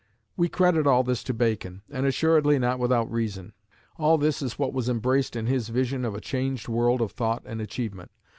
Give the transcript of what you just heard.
We credit all this to Bacon, and assuredly not without reason. All this is what was embraced in his vision of a changed world of thought and achievement.